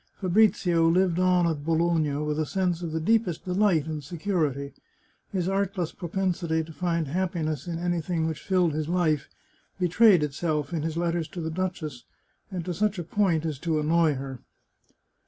Fabrizio Hved on at Bologna with a sense of the deepest deHght and se curity. His artless propensity to find happiness in anything which filled his life, betrayed itself in his letters to the duchess, and to such a point as to annoy her.